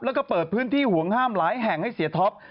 แล้วก็เปิดพื้นที่ห่วงห้ามหลายแห่งให้เสียท็อป